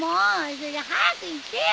それ早く言ってよ